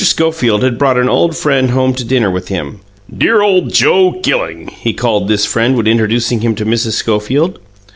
Schofield had brought an old friend home to dinner with him: "Dear old Joe Gilling," he called this friend when introducing him to Mrs. Schofield.